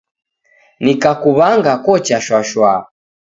Nikakuw'anga kocha shwashwa